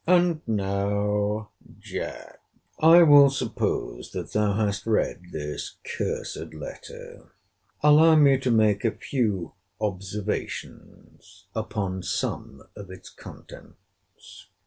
And now, Jack, I will suppose that thou hast read this cursed letter. Allow me to make a few observations upon some of its contents.